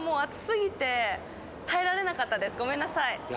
ごめんなさい